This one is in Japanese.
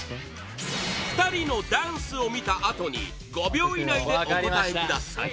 ２人のダンスを見たあとに５秒以内でお答えください！